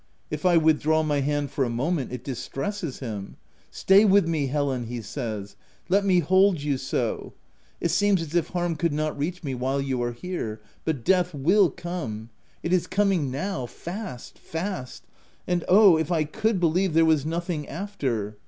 If I withdraw my hand for a moment, it distresses him :— u ' Stay with me, Helen/ he says ;' let me hold you so : it seems as if harm could not reach me while you are here. But death will come — it is coming now — fast, fast ! —and — Oh, if I could believe there was nothing after